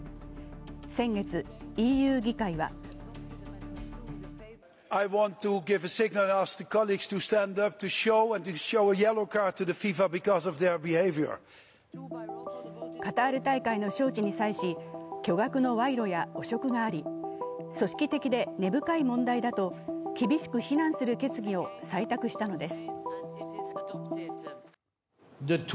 先月、ＥＵ議会はカタール大会の招致に際し、巨額の賄賂や汚職があり、組織的で根深い問題だと厳しく非難する決議を採択したのです。